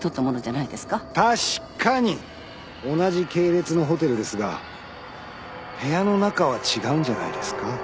確かに同じ系列のホテルですが部屋の中は違うんじゃないですか？